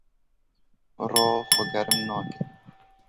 Ro xwe germ nake.